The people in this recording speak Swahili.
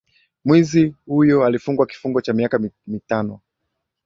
Mwizi huyo alifungwa kifungo cha miaka mitano.